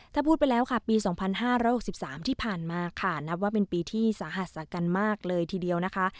ถ้าพูดไปแล้วค่ะปีสองพันห้าร้อยหกสิบสามที่ผ่านมาค่ะนับว่าเป็นปีที่สาหัสสากันมากเลยทีเดียวนะคะ